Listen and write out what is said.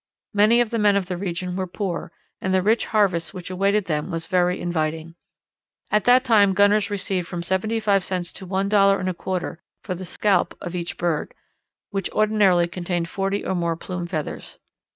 Many of the men of the region were poor, and the rich harvest which awaited them was very inviting. At that time gunners received from seventy five cents to one dollar and a quarter for the "scalp" of each bird, which ordinarily contained forty or more plume feathers.